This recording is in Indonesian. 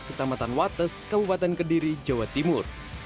kecamatan wates kabupaten kediri jawa timur